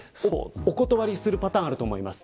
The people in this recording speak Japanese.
お断りするパターンがあると思います。